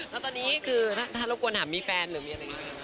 แล้วตอนนี้คือถ้าเรากลัวถามมีแฟนหรือมีอะไรอย่างนี้